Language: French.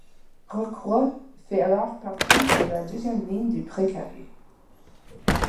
Rocroi fait alors partie de la deuxième ligne du Pré carré.